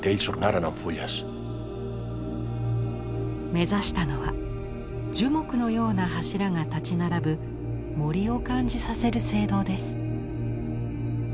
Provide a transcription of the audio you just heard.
目指したのは樹木のような柱が立ち並ぶ森を感じさせる聖堂です。